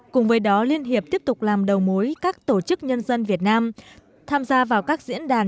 cùng với đó liên hiệp tiếp tục làm đầu mối các tổ chức nhân dân việt nam tham gia vào các diễn đàn